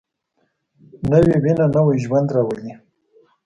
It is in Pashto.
نوې وینه نوی ژوند راولي